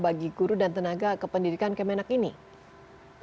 bagi guru dan tenaga kependidikan kemenak ini